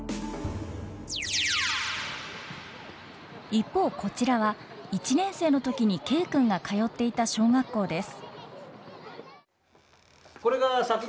一方こちらは１年生の時にＫ君が通っていた小学校です。